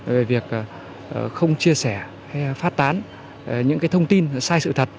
về việc không chia sẻ hay phát tán những thông tin sai sự thật